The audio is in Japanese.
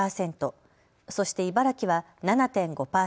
そして茨城は７．５％。